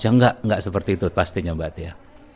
ya enggak enggak seperti itu pastinya mbak tia